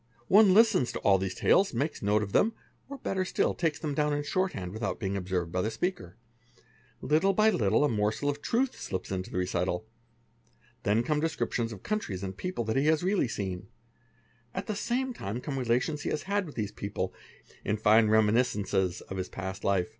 | 4 One listens to all these tales, makes a note of them, or better sti takes them down in shorthand without being observed by the speak 2 little by little a morsel of truth slips into the recital; then come des ori tions of countries and people that he has really seen, at the same i come relations he has had with these people, in fine reminiscences one past life.